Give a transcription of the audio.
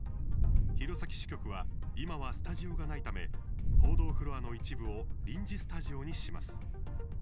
弘前支局は今はスタジオがないため報道フロアの一部を臨時スタジオにします。